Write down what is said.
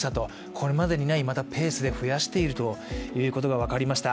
これまでにない、またペースで増やしていることが分かりました。